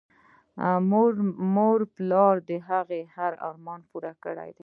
مور پلار د هغه هر ارمان پوره کړی دی